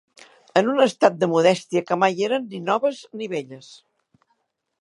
En un estat de modèstia que mai eren ni noves ni velles